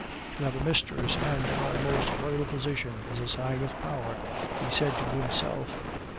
"To have a mistress and an almost royal position is a sign of power," he said to himself.